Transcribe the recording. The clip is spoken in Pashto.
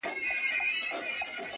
ستا د ښکلي مخ له رويه چي خوښيږي~